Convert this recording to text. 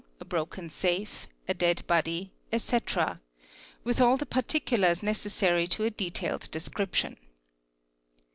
a broken safe, a dead body, etc.) with all the particulars necessary to a detailed description.